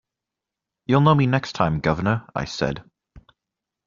“You’ll know me next time, guv’nor,” I said.